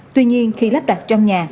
tuy nhiên khi lắp đặt trong nhà